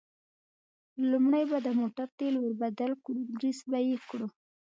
لومړی به د موټرو تېل ور بدل کړو، ګرېس به یې کړو.